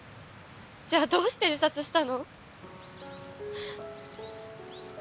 じゃあどうして自殺したの？